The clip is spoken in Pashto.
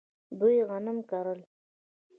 دوی غنم کرل.